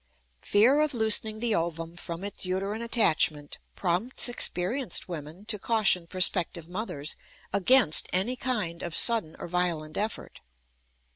Fear of loosening the ovum from its uterine attachment prompts experienced women to caution prospective mothers against any kind of sudden or violent effort.